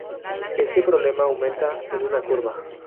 Este problema aumenta en una curva.